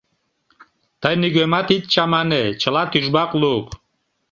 Тый нигӧмат ит чамане, чыла тӱжвак лук...